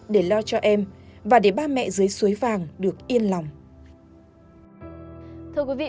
để lo cho em trai